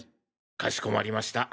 かしこまりました。